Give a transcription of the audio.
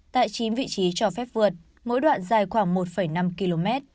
tại chín vị trí cho phép vượt mỗi đoạn dài khoảng một năm km